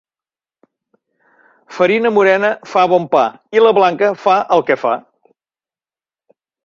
Farina morena fa bon pa i la blanca fa el que fa.